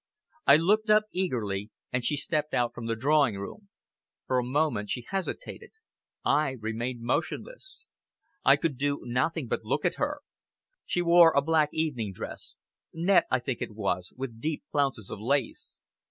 I looked up eagerly, and she stepped out from the drawing room. For a moment she hesitated. I remained motionless. I could do nothing but look at her. She wore a black evening dress net I think it was, with deep flounces of lace.